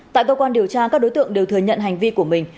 tại cơ quan điều tra các đối tượng đều thừa nhận hành vi của mình